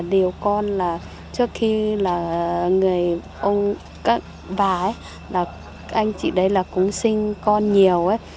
điều con là trước khi là người ông các bà ấy là anh chị đấy là cũng sinh con nhiều ấy